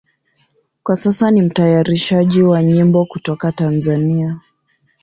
Kwa sasa ni mtayarishaji wa nyimbo kutoka Tanzania.